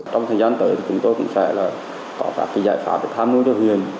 trong thời gian tới chúng tôi cũng sẽ có các giải pháp để tham mưu cho huyền